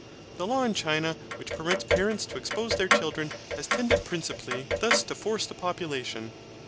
The law in China which permits parents to expose their children has tended principally thus to force the population.